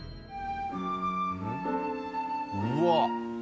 うわっ。